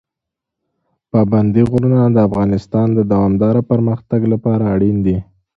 پابندي غرونه د افغانستان د دوامداره پرمختګ لپاره اړین دي.